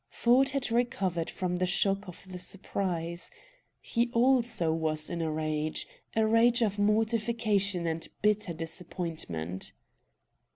Ford had recovered from the shock of the surprise. He, also, was in a rage a rage of mortification and bitter disappointment.